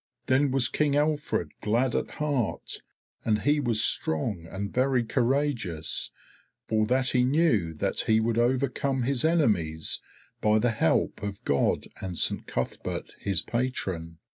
Then was King Alfred glad at heart, and he was strong and very courageous, for that he knew that he would overcome his enemies by the help of God and Saint Cuthberht his patron.